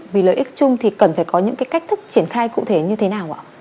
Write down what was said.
vì lợi ích chung thì cần phải có những cái cách thức triển khai cụ thể như thế nào ạ